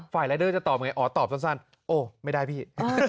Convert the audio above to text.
รายเดอร์จะตอบไงอ๋อตอบสั้นโอ้ไม่ได้พี่